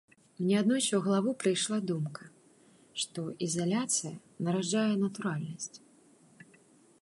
Мне аднойчы ў галаву прыйшла думка, што ізаляцыя нараджае натуральнасць.